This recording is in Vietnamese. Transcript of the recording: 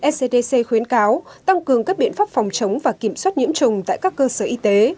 scdc khuyến cáo tăng cường các biện pháp phòng chống và kiểm soát nhiễm trùng tại các cơ sở y tế